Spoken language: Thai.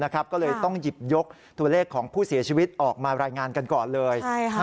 ก็เลยต้องหยิบยกตัวเลขของผู้เสียชีวิตออกมารายงานกันก่อนเลย